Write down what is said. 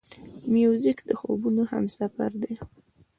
موزیک د خوبونو همسفر دی.